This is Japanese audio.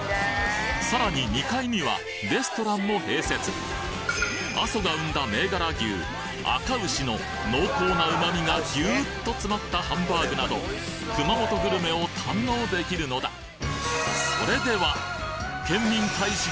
さらに２階にはレストランも併設阿蘇が生んだ銘柄牛あか牛の濃厚な旨味がギュッと詰まったハンバーグなど熊本グルメを堪能できるのだを決定！